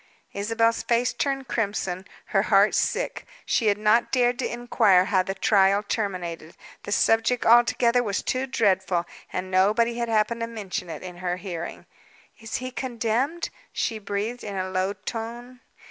Isabel's face turned crimson, her heart sick. She had not dared to inquire how the trial terminated. The subject altogether was too dreadful, and nobody had happened to mention it in her hearing. "Is he condemned?" she breathed, in a low tone.